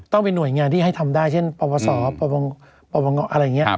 ต้องมีหน่วยงานที่ให้ทำได้เช่นประวัติศาสตร์ประวัติศาสตร์อะไรอย่างนี้